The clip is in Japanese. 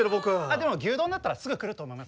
でも牛丼だったらすぐ来ると思います。